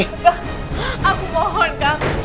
kak aku mohon kak